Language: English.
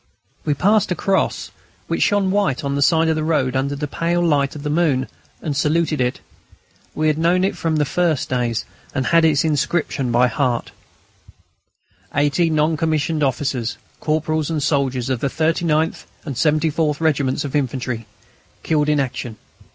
We passed a cross, which shone white on the side of the road under the pale light of the moon, and saluted it. We had known it from the first days, and had its inscription by heart: 80 NON COMMISSIONED OFFICERS, CORPORALS, AND SOLDIERS OF THE 39TH AND 74TH REGIMENTS OF INFANTRY, KILLED IN ACTION.